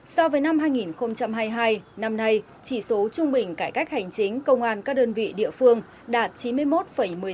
so với năm hai nghìn hai mươi hai năm nay chỉ số trung bình cải cách hành chính công an các đơn vị địa phương đạt chín mươi một một mươi chín